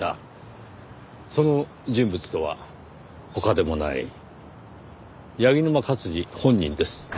その人物とは他でもない柳沼勝治本人です。